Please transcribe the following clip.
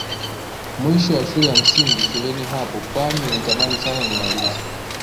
Mwisho wa shule ya msingi shuleni hapo kwani nilitamani Sana nimalize